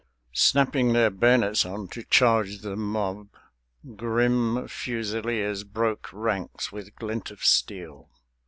Snapping their bayonets on to charge the mob, Grim Fusiliers broke ranks with glint of steel.